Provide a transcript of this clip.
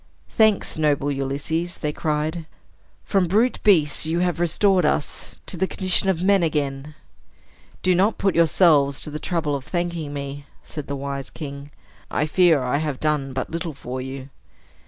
"Thanks, noble Ulysses!" they cried. "From brute beasts you have restored us to the condition of men again." "Do not put yourselves to the trouble of thanking me," said the wise king. "I fear I have done but little for you."